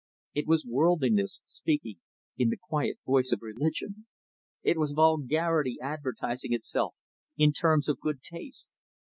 It was worldliness speaking in the quiet voice of religion. It was vulgarity advertising itself in terms of good taste.